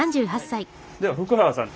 では福原さん